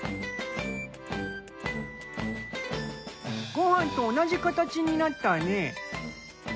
ご飯と同じ形になったね。